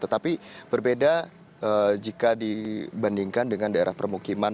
tetapi berbeda jika dibandingkan dengan daerah permukiman